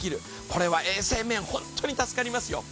これは衛生面、本当に助かりますよ